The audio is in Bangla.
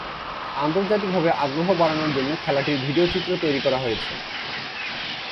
আন্তর্জাতিকভাবে আগ্রহ বাড়ানোর জন্য খেলাটির ভিডিও চিত্র তৈরি করা হয়েছে।